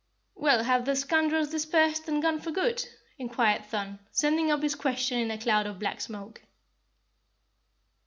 "Well, have the scoundrels dispersed and gone for good?" inquired Thun, sending up his question in a cloud of black smoke.